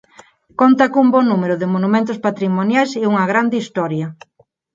Conta cun bo número de monumentos patrimoniais e unha grande historia.